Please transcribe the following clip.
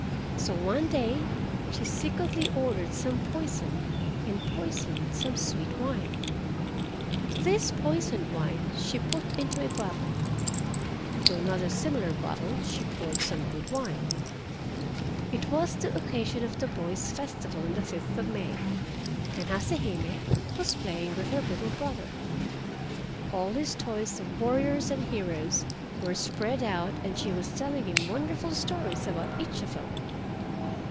So one day she secretly ordered some poison and poisoned some sweet wine. This poisoned wine she put into a bottle. Into another similar bottle she poured some good wine. It was the occasion of the Boys' Festival on the fifth of May, and Hase Hime was playing with her little brother. All his toys of warriors and heroes were spread out and she was telling him wonderful stories about each of them.